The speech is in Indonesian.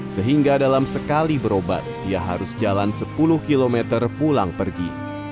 sehingga dalam sekali berobat dia harus jalan sepuluh km pulang pergi